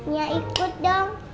ya ikut dong